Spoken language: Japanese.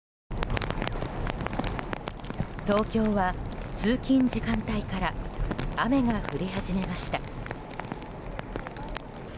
東京は通勤時間帯から雨が降り始めました。